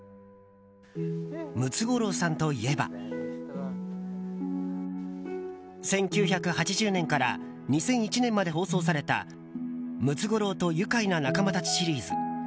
ムツゴロウさんといえば１９８０年から２００１年まで放送された「ムツゴロウとゆかいな仲間たち」シリーズ。